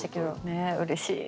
ねうれしい。